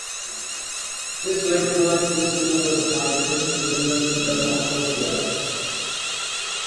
This led to an East-to-West migration within the Kingdom of Prussia.